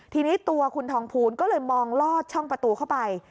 ทีนี้ตัวคุณทองภูลก็เลยมองลอดช่องประตูเข้าไป